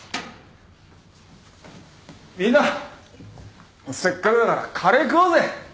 みんなせっかくだからカレー食おうぜ！